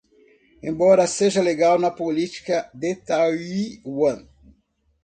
Embora seja legal na política de Taiwan